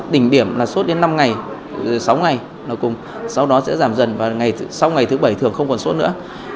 tỉnh điểm là sốt đến năm ngày sáu ngày sau đó sẽ giảm dần và sau ngày thứ bảy thường không còn sốt nữa